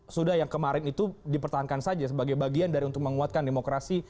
sudah yang kemarin itu dipertahankan saja sebagai bagian dari untuk menguatkan demokrasi